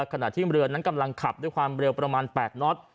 ขณะที่เรือนั้นกำลังขับด้วยความเร็วประมาณ๘น็อต